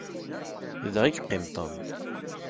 Da i yeqqim Tom.